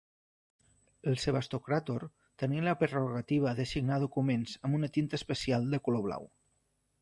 El sebastocràtor tenia la prerrogativa de signar documents amb una tinta especial de color blau.